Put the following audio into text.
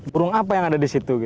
burung apa yang ada di situ